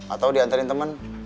atau diantarin temen